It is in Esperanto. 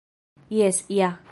Jes ja...